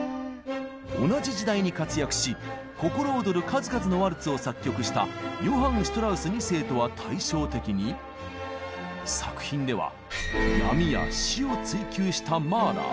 同じ時代に活躍し心躍る数々のワルツを作曲したヨハン・シュトラウス２世とは対照的に作品では「闇」や「死」を追求したマーラー。